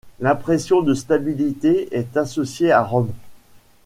L'impression de stabilité est associée à Rome.